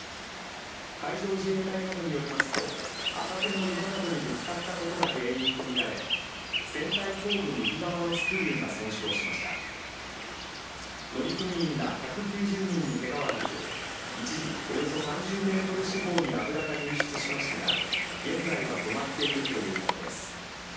海上自衛隊などによりますと浅瀬の岩などにぶつかったことが原因と見られ船体後部右側のスクリューが損傷しました乗組員ら１９０人にけがはなく一時およそ３０メートル四方に油が流出しましたが現在は止まっているということです